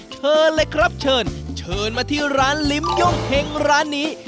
เชิญเลยครับเชิญเชิญมาที่ร้านลิ้มย่องเฮงร้านนี้